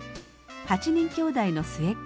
８人きょうだいの末っ子。